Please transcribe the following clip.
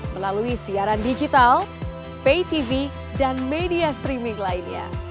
melalui siaran digital pay tv dan media streaming lainnya